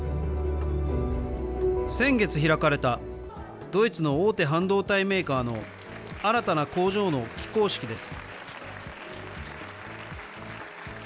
先月開かれた、ドイツの大手半導体メーカーの新たな工場の起工式です。